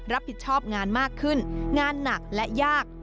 รับผิดชอบงานมากขึ้นงานหนักและยาก